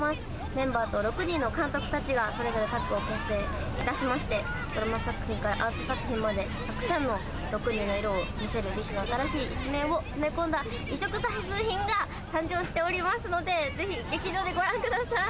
メンバーと６人の監督たちがそれぞれタッグを結成いたしまして、ドラマ作品からアート作品まで、たくさんの独自の色を見せるＢｉＳＨの新しい一面を詰め込んだ異色作品が完成しておりますので、ぜひ劇場でご覧ください。